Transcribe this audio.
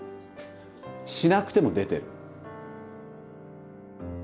しなくても出てる。